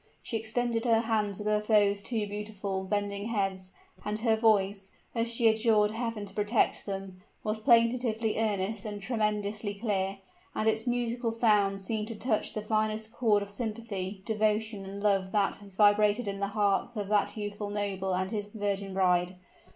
She extended her hands above those two beautiful, bending heads: and her voice, as she adjured Heaven to protect them, was plaintively earnest and tremulously clear, and its musical sound seemed to touch the finest chord of sympathy, devotion, and love that vibrated in the hearts of that youthful noble and his virgin bride.